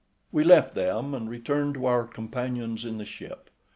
We left them and returned to our companions in the ship.